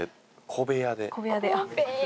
小部屋で。